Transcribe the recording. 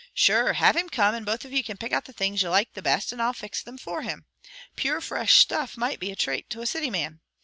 Sure, have him come, and both of you can pick out the things you like the best, and I'll fix thim for him. Pure, fresh stuff might be a trate to a city man.